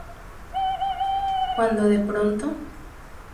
Cuando de pronto...